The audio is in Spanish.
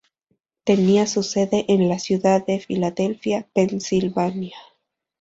Tenía su sede en la ciudad de Filadelfia, Pensilvania.